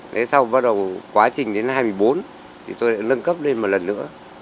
đấy sau bắt đầu quá trình đến hai mươi bốn thì tôi đã nâng cấp lên một lần nữa